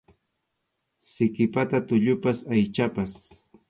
Siki pata tullupas aychapas.